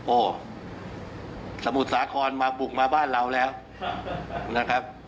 โอ้สมุทรสาครมาบุกมาบ้านเราแล้วนะครับ